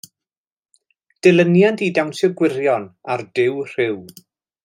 Dilyniant i Dawnsio Gwirion a'r Duw Rhyw.